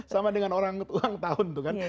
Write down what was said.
sama dengan orang ulang tahun tuh kan